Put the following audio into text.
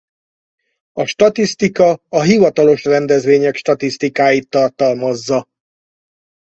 A statisztika a hivatalos rendezvények statisztikáit tartalmazza.